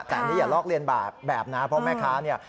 แต่อันนี้อย่าลอกเรียนแบบนะเพราะแม่ค้าเนี่ย